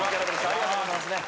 ありがとうございます。